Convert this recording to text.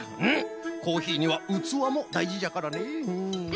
コーヒーにはうつわもだいじじゃからね。